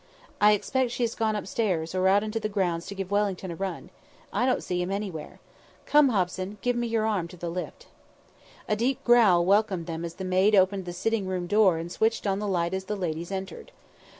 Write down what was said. "I expect she has gone upstairs, or out into the grounds to give Wellington a run I don't see him anywhere. Come, Hobson; give me your arm to the lift." A deep growl welcomed them as the maid opened the sitting room door and switched on the light as the ladies entered.